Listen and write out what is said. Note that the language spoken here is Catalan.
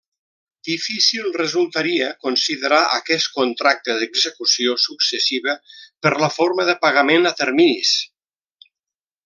Difícil resultaria considerar aquest contracte d'execució successiva per la forma de pagament a terminis.